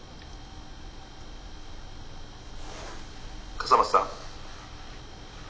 「笠松さん？」。